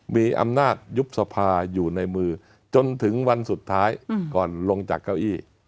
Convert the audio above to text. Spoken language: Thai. มีอำนาจยุบสภาอยู่ในมือจนถึงวันสุดท้ายก่อนลงจากเก้าอี้